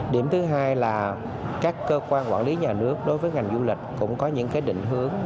điểm thứ hai là các cơ quan quản lý nhà nước đối với ngành du lịch cũng có những định hướng